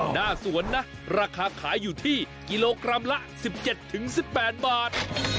หน้าสวนนะราคาขายอยู่ที่กิโลกรัมละ๑๗๑๘บาท